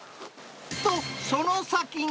と、その先に。